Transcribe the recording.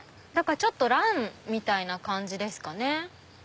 ちょっとランみたいな感じですかね。